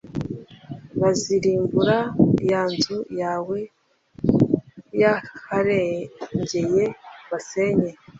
bazarimbura ya nzu yawe y aharengeye basenye